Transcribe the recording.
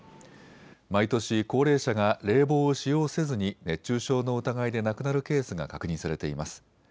毎年、高齢者が冷房を使用せずに熱中症の疑いで亡くなるケースが確認されています。